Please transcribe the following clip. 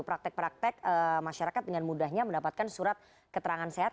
praktek praktek masyarakat dengan mudahnya mendapatkan surat keterangan sehat